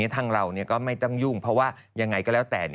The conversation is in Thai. ทางเราก็ไม่ต้องยุ่งเพราะว่ายังไงก็แล้วแต่